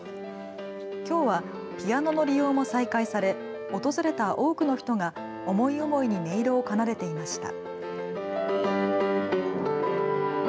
きょうはピアノの利用も再開され訪れた多くの人が思い思いに音色を奏でていました。